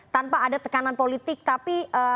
tanpa ada tekanan politik tapi